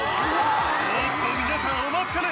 おっと皆さんお待ちかね。